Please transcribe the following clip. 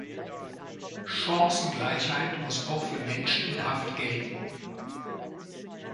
Chancengleichheit muss auch für Menschen in Haft gelten.